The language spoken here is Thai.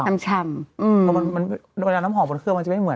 โดนแบบแบบน้ำหอมถูกต้องเข้ามาอีกที